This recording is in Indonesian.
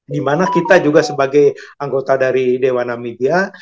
dimana kita juga sebagai anggota dari dewa namibia